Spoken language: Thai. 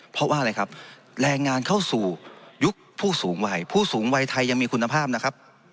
เพราะว่าอะไรครับแรงงานเข้าสู่ยุคผู้สูงวัยผู้สูงวัยไทยยังมีคุณภาพนะครับ